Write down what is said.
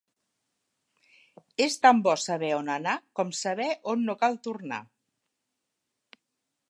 És tan bo saber on anar com saber on no cal tornar.